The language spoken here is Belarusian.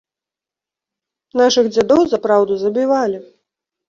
Нашых дзядоў за праўду забівалі!